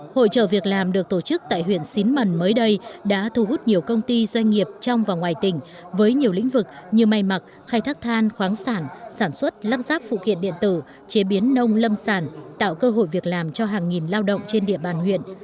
hội trợ việc làm được tổ chức tại huyện xín mần mới đây đã thu hút nhiều công ty doanh nghiệp trong và ngoài tỉnh với nhiều lĩnh vực như may mặc khai thác than khoáng sản sản xuất lắp ráp phụ kiện điện tử chế biến nông lâm sản tạo cơ hội việc làm cho hàng nghìn lao động trên địa bàn huyện